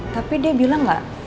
tapi dia bilang gak